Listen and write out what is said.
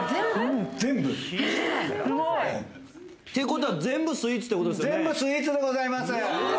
っていうことは全部スイーツってことですよね。